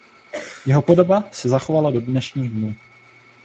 Jeho podoba se zachovala do dnešních dnů.